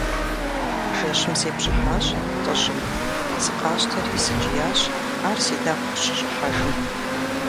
Жэщым сепщӀыхьащ лӀыжьым, сыкъащтэри сыкӀиящ, ар си нэгу къыщыщӀыхьэжым.